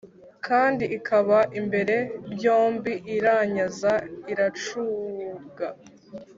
kandi ikaba imbera byom b i iranyaza, i racuga,